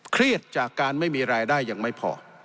เครียดจากการไม่มีรายได้ยังไม่พอ